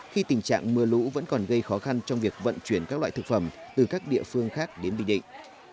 khi tình trạng mưa lũ vẫn còn gây khó khăn trong việc vận chuyển các loại thực phẩm từ các địa phương khác đến bình định